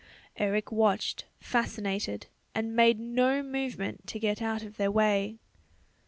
Eric watched, fascinated, and made no movement to get out of their way.